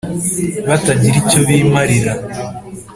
batagira icyo bimarira